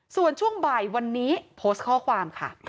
ส่วนช่วงบ่ายวันนี้โพสต์ข้อความค่ะ